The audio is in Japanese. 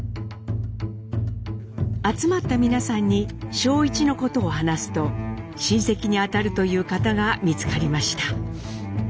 集まった皆さんに正一のことを話すと親戚に当たるという方が見つかりました。